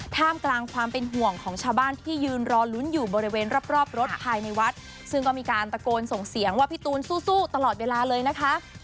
ท่ามกลางความเป็นห่วงของชาวบ้านที่ยืนรอลุ้นอยู่บริเวณรอบรถภายในวัดซึ่งก็มีการตะโกนส่งเสียงว่าพี่ตูนสู้ตลอดเวลาเลยนะคะ